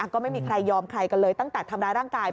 ก็ไม่มีใครยอมใครกันเลยตั้งแต่ทำร้ายร่างกาย